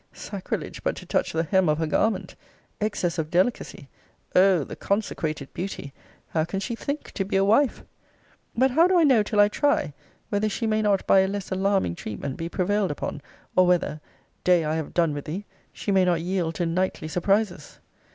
Sacrilege but to touch the hem of her garment! Excess of delicacy! O the consecrated beauty! How can she think to be a wife? But how do I know till I try, whether she may not by a less alarming treatment be prevailed upon, or whether [day, I have done with thee!] she may not yield to nightly surprises?